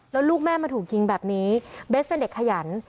แล้วลูกแม่มาถูกยิงแบบนี้เบสเป็นเด็กขยัน